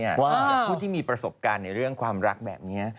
ผู้ที่มีประสบการณ์ในเรื่องความรักแบบนี้